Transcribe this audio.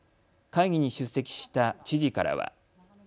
会議に出席した知事からは。